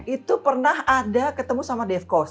itu pernah ada ketemu sama dave kous